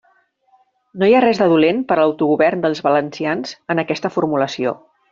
No hi ha res de dolent per a l'autogovern dels valencians en aquesta formulació.